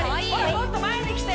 もっと前に来て！